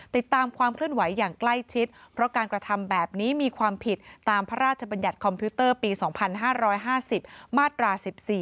ติดตามความเคลื่อนไหวอย่างใกล้ชิดเพราะการกระทำแบบนี้มีความผิดตามพระราชบัญญัติคอมพิวเตอร์ปี๒๕๕๐มาตรา๑๔